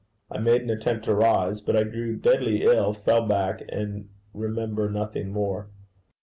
I made an attempt to rise. But I grew deadly ill, fell back, and remember nothing more.